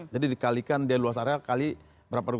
jadi dikalikan dia luas area kali berapa regu